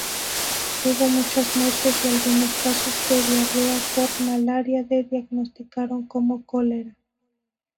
Hubo muchas muertes y algunos casos de diarrea por malaria se diagnosticaron como cólera.